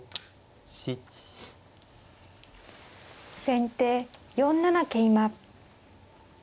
先手４七桂馬。